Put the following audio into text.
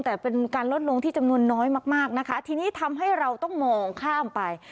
แต่เป็นการลดลงที่จำนวนน้อยมากมากนะคะทีนี้ทำให้เราต้องมองข้ามไป